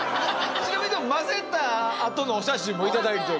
ちなみにでも混ぜたあとのお写真も頂いております。